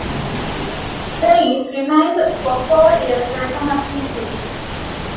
Zeiss remained for four years as an apprentice.